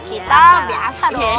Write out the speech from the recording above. kita biasa dong